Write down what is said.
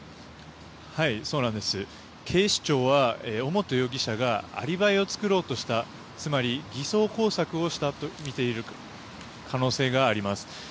警視庁は尾本容疑者がアリバイを作ろうとしたつまり、偽装工作をしたとみている可能性があります。